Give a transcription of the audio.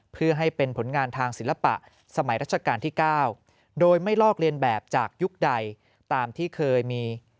เพื่อให้เป็นผลงานทางศิลปะสมัยรัชกาลที่๙โดยไม่ลอกเรียนแบบจากยุคใดตามที่เคยมี